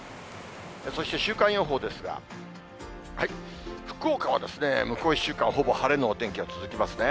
そして週間予報ですが、福岡は向こう１週間、ほぼ晴れのお天気が続きますね。